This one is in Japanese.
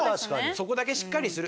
そこだけしっかりする。